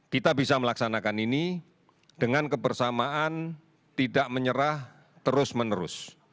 kita bisa melaksanakan ini dengan kebersamaan tidak menyerah terus menerus